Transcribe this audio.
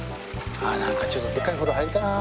あぁなんかちょっとでっかいお風呂入りたいなぁ。